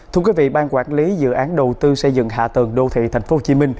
thưa quý vị ban quản lý dự án đầu tư xây dựng hạ tầng đô thị tp hcm